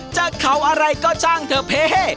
จากเขาอะไรก็จ้างเธอเพ่